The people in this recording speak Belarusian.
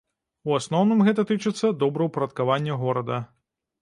У асноўным гэта тычыцца добраўпарадкавання горада.